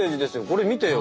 これ見てよ。